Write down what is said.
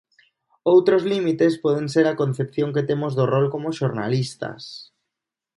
Outros límites poden ser a concepción que temos do rol como xornalistas.